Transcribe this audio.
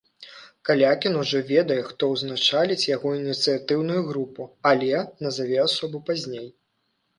Калякін ужо ведае, хто ўзначаліць яго ініцыятыўную групу, але назаве асобу пазней.